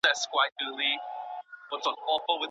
برېتونه تل نه خرییل کېږي.